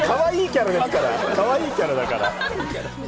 かわいいキャラだから。